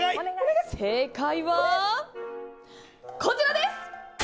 正解はこちらです。